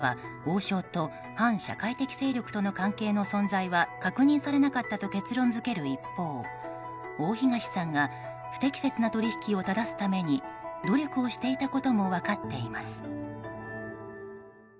しかし、この報告書では王将と反社会的勢力との関係の存在は確認されなかったと結論付ける一方大東さんが不適切な取引を正すために努力していたことも分かっています。